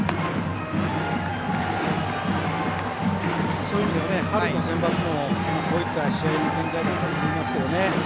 そういう意味では春のセンバツもこういった試合の展開だったと思いますけどね。